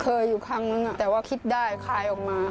เคยอยู่ครั้งนึงแต่ว่าคิดได้คลายออกมา